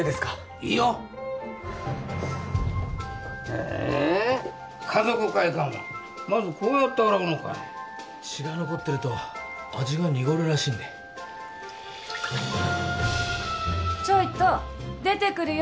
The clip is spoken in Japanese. いいよへえ華族会館はまずこうやって洗うのかい血が残ってると味が濁るらしいんでちょいと出てくるよ